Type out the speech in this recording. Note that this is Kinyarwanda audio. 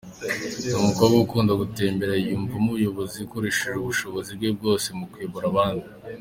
Ni umukobwa ukunda gutembera, yiyumvamo ubuyobozi, akoresha ubushozi bwe bwose mu kuyobora abandi.